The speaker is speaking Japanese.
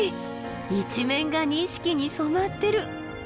一面が錦に染まってる。